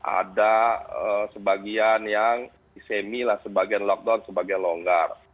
ada sebagian yang disemi lah sebagian lockdown sebagian longgar